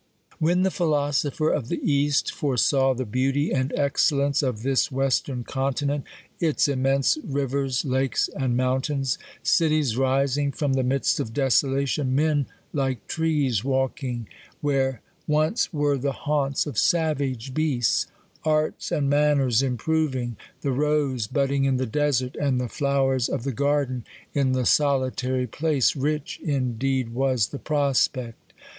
When the philosopher of the East foresaw the beauty and excellence of this Western Continent, its immense rivers, lakes, and mountains ; cities rising from the midst of desolation ;'= men like trees walking," where •nee were the haunts of savage beasts : arts and man ners improving ; the rose budding in the desert, and the flowers of the garden in the solitary place, rich in deed was the prospect.